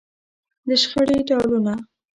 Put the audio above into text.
د شخړې ډولونه.